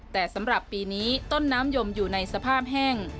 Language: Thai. แต่สำหรับปีนี้ต้นน้ำยมอยู่ในสภาพแห้ง